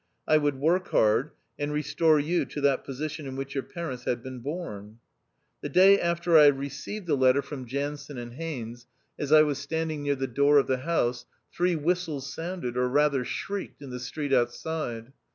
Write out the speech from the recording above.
I would work hard, and restore you to that position in which your parents had been born. The day after I received the letter from THE OUTCAST. 223 Jansen and Haines, as I was standing near the door of the house, three whistles sounded, or rather shrieked, in the street outside.